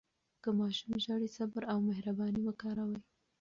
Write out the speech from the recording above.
که ماشوم ژاړي، صبر او مهرباني وکاروئ.